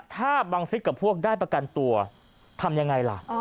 ถ้าบังฟิศกับพวกได้ประกันตัวทำยังไงล่ะ